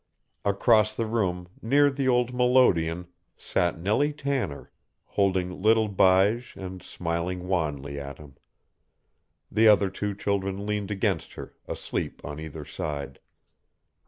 Across the room, near the old melodeon, sat Nellie Tanner, holding little Bige and smiling wanly at him. The other two children leaned against her, asleep on either side.